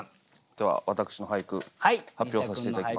では私の俳句発表させて頂きます。